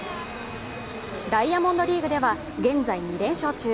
ダイヤモンドリーグでは現在２連勝中。